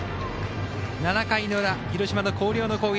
７回の裏広島の広陵の攻撃。